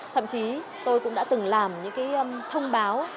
thậm chí tôi cũng đã từng làm những cái thông báo